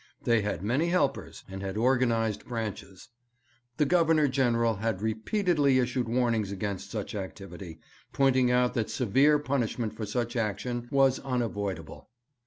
They had many helpers, and had organized branches. 'The Governor General had repeatedly issued warnings against such activity, pointing out that severe punishment for such action was unavoidable.